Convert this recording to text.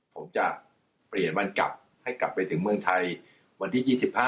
ผมจะเปลี่ยนวันกลับให้กลับไปถึงเมืองไทยวันที่๒๕